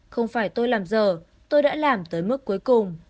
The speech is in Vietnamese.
không phải tôi làm giờ tôi đã làm tới mức cuối cùng